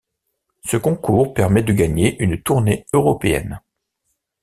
Ce concours permet de gagner une tournée européenne.